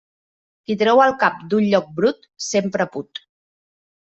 Qui treu el cap d'un lloc brut, sempre put.